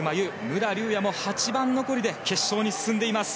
武良竜也も８番残りで決勝に進んでいます。